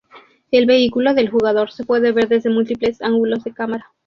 El vehículo del jugador se puede ver desde múltiples ángulos de cámara.